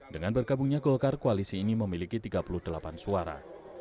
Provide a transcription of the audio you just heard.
dengan bergabungnya golkar koalisi ini memiliki tiga puluh delapan suara